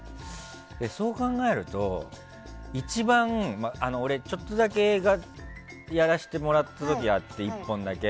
そう考えると俺、ちょっとだけ映画をやらせてもらった時があって１本だけ。